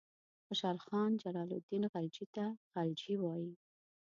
خوشحال خان جلال الدین خلجي ته غلجي وایي.